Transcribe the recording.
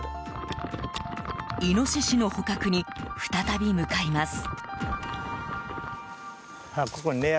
イノシシの捕獲に再び向かいます。